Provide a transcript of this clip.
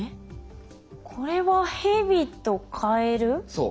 そう。